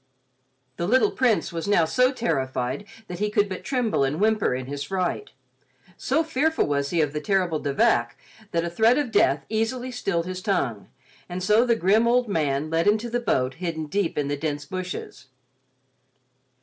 The little Prince was now so terrified that he could but tremble and whimper in his fright. So fearful was he of the terrible De Vac that a threat of death easily stilled his tongue, and so the grim, old man led him to the boat hidden deep in the dense bushes.